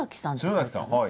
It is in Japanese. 篠崎さんはい。